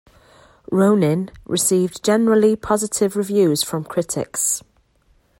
"Ronin" received generally positive reviews from critics.